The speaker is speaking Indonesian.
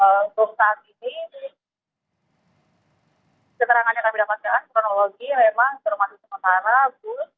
untuk saat ini keterangannya kami dapatkan kronologi memang informasi sementara bus